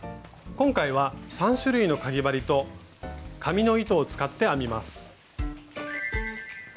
今回は３種類のかぎ針と紙の糸を使って編みます。